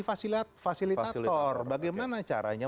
fasilitator bagaimana caranya